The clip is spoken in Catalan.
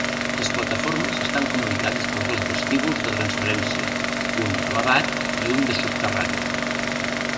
Les plataformes estan comunicades per dos vestíbuls de transferència, un d'elevat i un de subterrani.